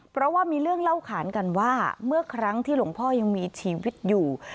เพราะว่ามีเรื่องเล่าขานกันว่าเมื่อครั้งที่หลวงพ่อยังมีชีวิตอยู่